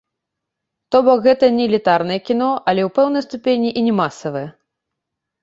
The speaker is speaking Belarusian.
То бок, гэта не элітарнае кіно, але, у пэўнай ступені, і не масавае.